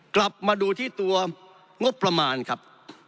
กลับมาดูที่ตัวงบประมาณครับ